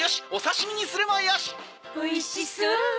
おいしそう！